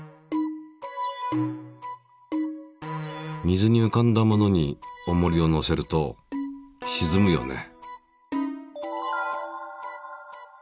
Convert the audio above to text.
水にうかんだものにおもりをのせるとしずむよね。